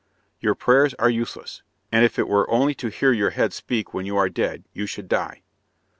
"Your prayers are useless, and if it were only to hear your head speak when you are dead, you should die."